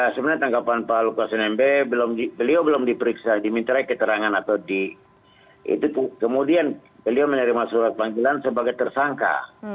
sebenarnya tanggapan pak lukas nmb beliau belum diperiksa diminta keterangan atau di itu kemudian beliau menerima surat panggilan sebagai tersangka